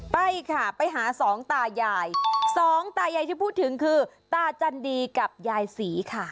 ไปค่ะไปหา๒ตาใหญ่๒ตาใหญ่ที่พูดถึงคือตาจันดีกับยายศรีค่ะ